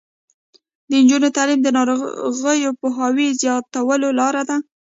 د نجونو تعلیم د ناروغیو پوهاوي زیاتولو لاره ده.